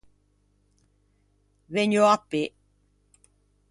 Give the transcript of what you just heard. Vegniò à pê.